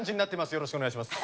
よろしくお願いします。